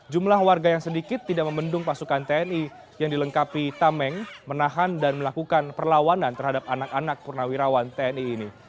jumlah warga yang sedikit tidak membendung pasukan tni yang dilengkapi tameng menahan dan melakukan perlawanan terhadap anak anak purnawirawan tni ini